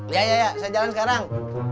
iya iya saya jalan sekarang